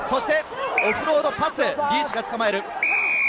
オフロードパス、リーチが捕まえる。